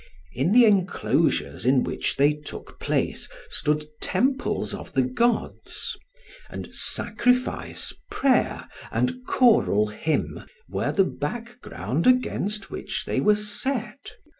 In the enclosures in which they took place stood temples of the gods; and sacrifice, prayer, and choral hymn were the back ground against which they were set.